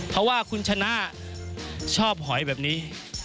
เพราะว่าคุณชนะชอบหอยแบบนี้